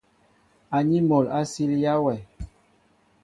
Aní mol a silya wɛ.